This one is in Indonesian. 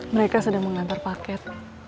mereka sedang mengantar paket